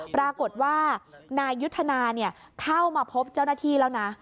ปรากฏว่านายยุทธนาเข้ามาพบเจ้าหน้าที่แล้วนะ